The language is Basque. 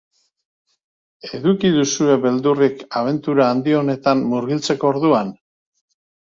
Eduki duzue beldurrik abentura handi honetan murgiltzeko orduan?